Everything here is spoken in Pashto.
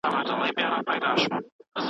بیا به همزولو منځ کي خواره نه کښېنمه